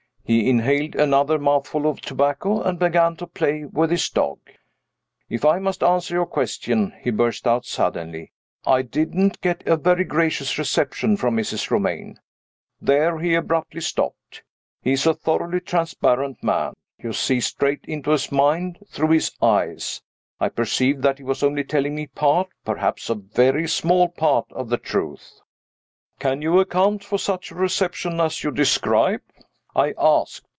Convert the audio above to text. He inhaled another mouthful of tobacco, and began to play with his dog. "If I must answer your question," he burst out suddenly, "I didn't get a very gracious reception from Mrs. Romayne." There he abruptly stopped. He is a thoroughly transparent man; you see straight into his mind, through his eyes. I perceived that he was only telling me a part (perhaps a very small part) of the truth. "Can you account for such a reception as you describe?" I asked.